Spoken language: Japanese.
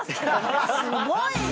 すごいな！